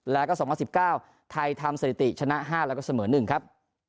แล้วก็๒๐๑๙ไทยทำสถิติชนะ๕แล้วก็เสมอ๑ครับ